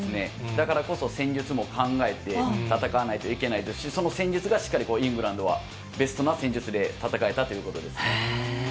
だからこそ戦術も考えて戦わないといけないですし、その戦術が、しっかり、イングランドはベストな戦術で戦えたということですね。